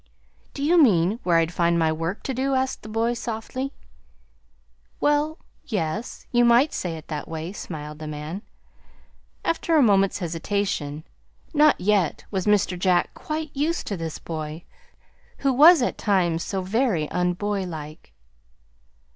"Do you mean where I'd find my work to do?" asked the boy softly. "Well yes; you might say it that way," smiled the man, after a moment's hesitation not yet was Mr. Jack quite used to this boy who was at times so very un boylike.